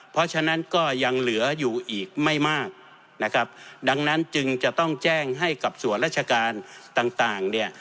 เพราะฉะนั้นก็ยังเหลืออยู่อีกไม่มากนะครับดังนั้นจึงจะต้องแจ้งให้กับส่วนราชการต่างต่างเนี่ย